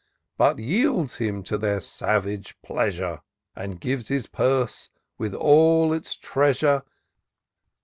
But yields him to their savage pleasure. And gives his purse, with all its treasure.